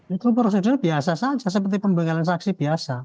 itu prosedur biasa saja seperti pembegalan saksi biasa